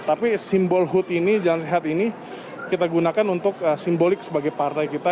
tapi simbol hut ini jalan sehat ini kita gunakan untuk simbolik sebagai partai kita